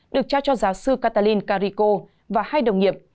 được trao cho giáo sư catalin carrico và hai đồng nghiệp